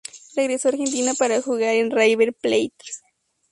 Regresó a Argentina para jugar en River Plate.